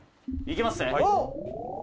いきますね。